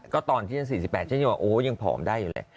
ก็ตอนที่๔๘แต่ว่าโหยังผอมได้เลย